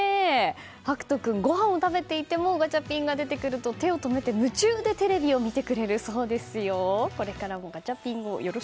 珀翔君、ごはんを食べていてもガチャピンが出てくると手を止めて、夢中でテレビを見てくれるそうですよ。